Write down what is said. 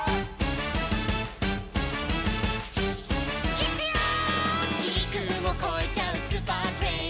「いくよー！」